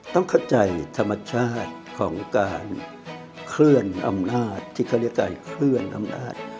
ต้องเข้าใจธรรมชาติของการเคลื่อนอำนาจที่เขาเรียกการเคลื่อนอำนาจ